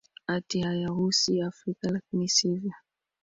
ati hayahusi afrika lakini sivyo